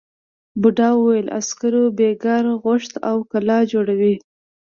بوڊا وویل عسکرو بېگار غوښت او کلا جوړوي.